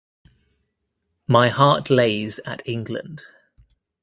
My heart lays at England.